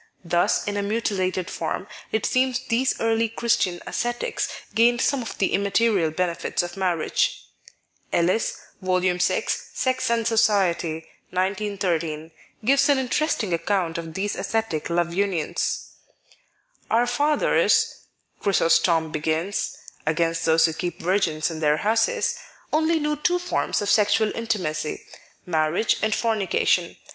Thus, in a mutilated form, it seems these early Christian ascetics gained some of the immaterial benefits of marriage, Ellis (Vol. 6, " Sex and Society," 19 13) gives an interesting account of these ascetic love unions :" Our fathers," Chrysostom begins (" Against those who keep Virgins in their Houses ")," only knew two forms of sexual inti macy, marriage and fornication.